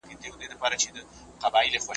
له ملګرو سره خبرې ګټورې دي.